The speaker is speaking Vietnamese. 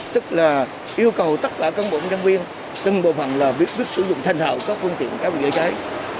tức là yêu cầu tất cả các bộ công nhân viên từng bộ phận là biết sử dụng thành hậu các phương tiện chữa cháy